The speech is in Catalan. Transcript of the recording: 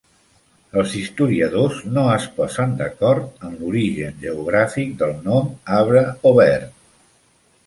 Els historiadors no es posen d'acord en l'origen geogràfic del nom "Havre-Aubert".